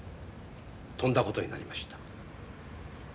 とんだ事になりました。